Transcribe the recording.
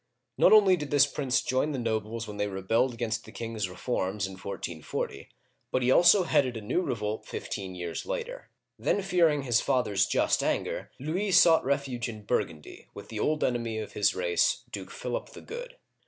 Not only did this prince join the nobles when they rebelled against the king's re Digitized by Google LOUIS XI. (1461 1483) 201 forms in 1440, but he also headed a new revolt fifteen years later. Then fearing his father's just anger, Louis sought refuge in Burgundy, with the old enemy of his race, Duke Philip the Good.